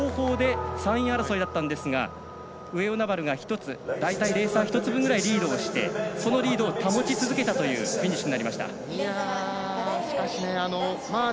この後方で３位争いだったんですが上与那原が１つ大体レーサー１つ分ぐらいリードしてそのリードを保ち続けたというフィニッシュになりました。